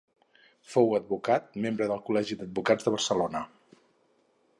Fou advocat membre del Col·legi d'Advocats de Barcelona.